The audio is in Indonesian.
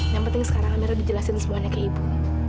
yang penting sekarang amirah dijelasin semuanya ke ibu